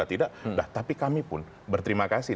tidak nah tapi kami pun berterima kasih